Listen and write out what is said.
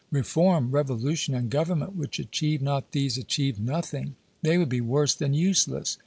Reform, revolution and government which achieve not these, achieve nothing! They would be worse than useless.